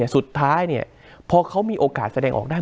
สุดท้ายพอเขามีโอกาสแสดงออกได้